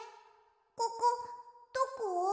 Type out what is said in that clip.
ここどこ？